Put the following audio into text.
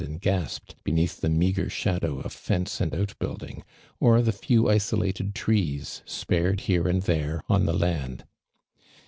and gasped beneath the meagre shadow of fence and outbuilding, or the few isolated trees spared here and there, on the land.